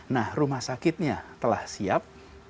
nah rumah sakitnya telah siap